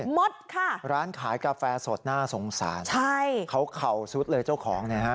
หมดค่ะร้านขายกาแฟสดน่าสงสารใช่เขาเข่าสุดเลยเจ้าของเนี่ยฮะ